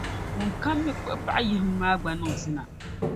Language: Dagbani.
ŋunkam mi kpuɣ’ paɣiyihiŋ maa gba niŋ zina.